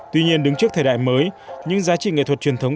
tuy nhiên đứng trước thời đại mới những giá trị nghệ thuật truyền thống